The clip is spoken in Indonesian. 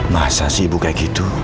masa sih ibu kayak gitu